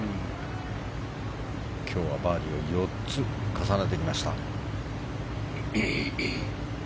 今日はバーディーを４つ重ねてきました。